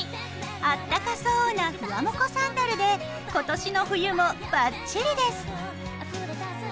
あったかそうなふわもこサンダルで今年の冬もバッチリです！